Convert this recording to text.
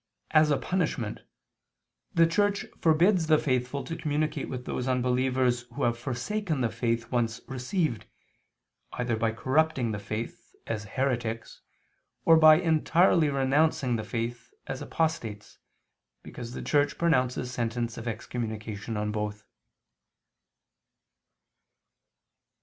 as a punishment, the Church forbids the faithful to communicate with those unbelievers who have forsaken the faith they once received, either by corrupting the faith, as heretics, or by entirely renouncing the faith, as apostates, because the Church pronounces sentence of excommunication on both.